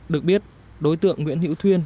được biết đối tượng nguyễn hữu thuyên